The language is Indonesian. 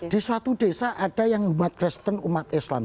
di suatu desa ada yang umat kristen umat islam